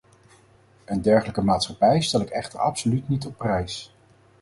Een dergelijke maatschappij stel ik echter absoluut niet op prijs.